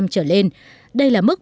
ba mươi trở lên đây là mức